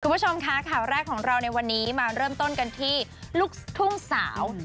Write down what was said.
คุณผู้ชมค่ะข่าวแรกของเราในวันนี้มาเริ่มต้นกันที่ลูกทุ่งสาว